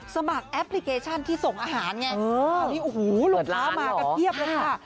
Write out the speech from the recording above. สมัครแอปพลิเคชันที่ส่งอาหารไงนี่โอ้โหลูกค้ามากันเพียบเลยค่ะ